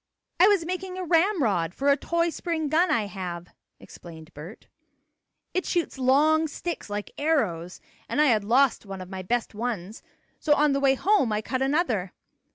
"I was making a ramrod for a toy spring gun I have," explained Bert. "It shoots long sticks, like arrows, and I had lost one of my best ones, so on the way home I cut another.